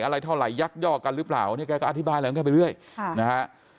อะไรเท่าไรยักษ์ย่อกันหรือเปล่านี่แกก็อธิบายเรียงแค่ไปเรื่อยนะฮะ